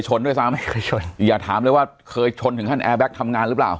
ชนด้วยซะไม่เคยชนอย่าถามเลยว่าเคยชนถึงขั้นทำงานหรือเปล่า